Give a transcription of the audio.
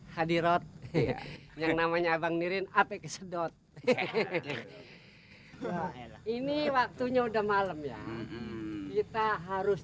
hai hadirot yang namanya abang nirin apek sedot hehehe ini waktunya udah malam ya kita harus